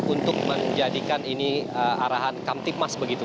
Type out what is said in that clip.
untuk menjadikan ini arahan kamtipmas begitu